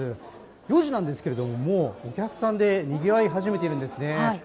４時なんですけども、もうお客さんでにぎわい始めているんですね。